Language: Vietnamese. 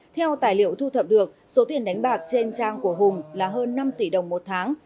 theo tài liệu thu thập được số tiền đánh bạc trên trang của hùng là hơn năm tỷ đồng một tháng